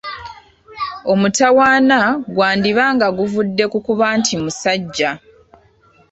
Omutawaana gwandiba nga guvudde ku kuba nti musajja.